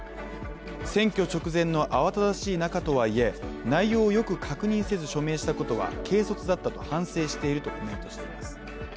選挙直前の慌ただしい中とはいえ、内容をよく確認せず署名したことは軽率だったと反省しているとコメントしています。